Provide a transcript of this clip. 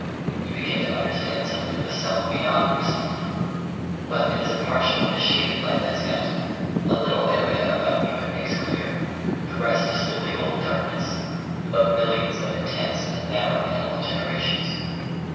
You begin to understand something of the self beyond your self. But it is a partial and a shaded light as yet; a little area about you it makes clear, the rest is still the old darkness of millions of intense and narrow animal generations....